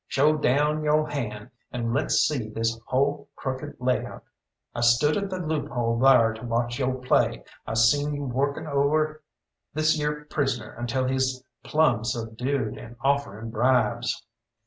Show down yo' hand, and let's see this hull crooked lay out. I stood at the loophole thar to watch yo' play, I seen you workin over this yere prisoner until he's plumb subdued, and offering bribes.